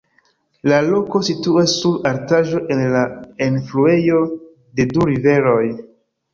La loko situas sur altaĵo en la enfluejo de du riveroj.